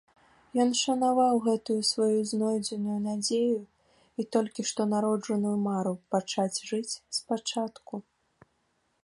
Ён шанаваў гэтую сваю знойдзеную надзею і толькі што народжаную мару пачаць жыць спачатку.